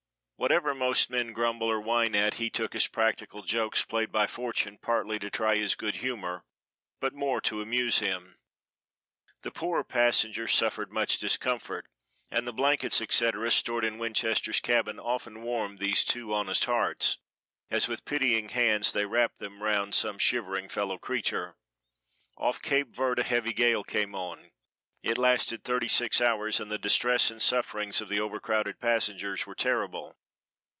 Whatever most men grumble or whine at he took as practical jokes played by Fortune partly to try his good humor, but more to amuse him. The poorer passengers suffered much discomfort, and the blankets, etc., stored in Winchester's cabin often warmed these two honest hearts, as with pitying hands they wrapped them round some shivering fellow creature. Off Cape Verd a heavy gale came on. It lasted thirty six hours, and the distress and sufferings of the over crowded passengers were terrible.